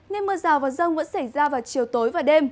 nên mưa rào và rông vẫn xảy ra vào chiều tối